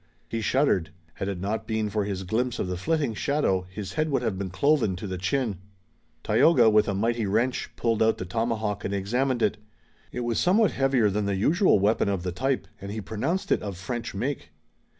He shuddered. Had it not been for his glimpse of the flitting shadow his head would have been cloven to the chin. Tayoga, with a mighty wrench, pulled out the tomahawk and examined it. It was somewhat heavier than the usual weapon of the type and he pronounced it of French make.